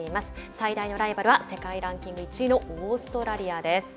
最大のライバルは世界ランキング１位のオーストラリアです。